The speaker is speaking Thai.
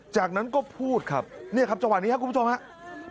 จากนั้นก็พูดครับเนี่ยครับจังหวะนี้ครับคุณผู้ชมครับ